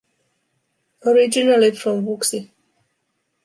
Originally from Wuxi.